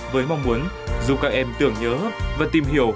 với mong muốn giúp các em tưởng nhớ và tìm hiểu